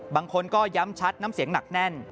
บางคนก็ย้ำชัดน้ำเสียงหนักแน่น